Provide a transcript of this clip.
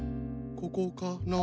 ここかな。